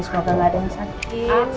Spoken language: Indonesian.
semoga gak ada yang sakit